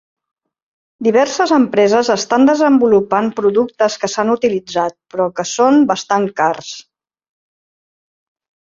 Diverses empreses estan desenvolupant productes que s'han utilitzat, però que són bastant cars.